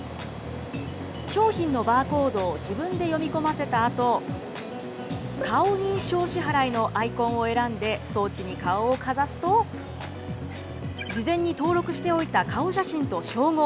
商品のバーコードを自分で読み込ませたあと、顔認証支払いのアイコンを選んで、装置に顔をかざすと、事前に登録しておいた顔写真と照合。